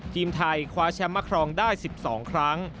ทีมไทยคว้าแชมป์มาครองได้๑๒ครั้ง